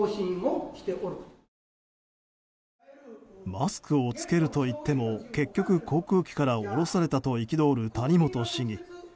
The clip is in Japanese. マスクを着けると言っても結局、航空機から降ろされたと憤る谷本市議。